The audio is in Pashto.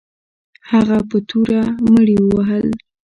هغه په توره مړي وهل.